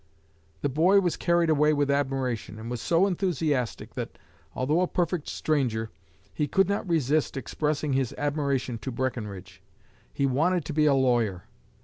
The boy was carried away with admiration, and was so enthusiastic that, although a perfect stranger, he could not resist expressing his admiration to Breckenridge. He wanted to be a lawyer.